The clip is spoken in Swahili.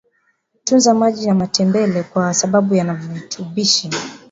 tunza maji ya matembele kwa sababu yana virutubishi